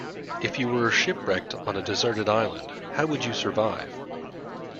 If you were shipwrecked on a deserted island, how would you survive?